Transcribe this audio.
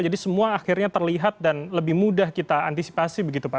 jadi semua akhirnya terlihat dan lebih mudah kita antisipasi begitu pak